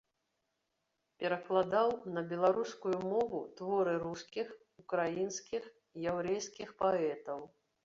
Перакладаў на беларускую мову творы рускіх, украінскіх, яўрэйскіх паэтаў.